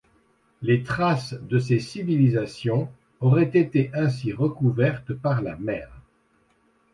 Les traces de ces civilisations auraient été ainsi recouvertes par la mer.